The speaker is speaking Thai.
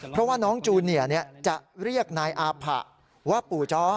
เพราะว่าน้องจูเนียจะเรียกนายอาผะว่าปู่จ้อ